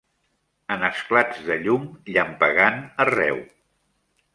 en esclats de llum llampegant arreu…